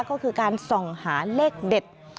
ก็คือการส่องหาเลขเด็ด